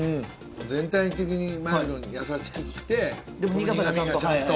全体的にマイルドに優しくって苦みがちゃんと。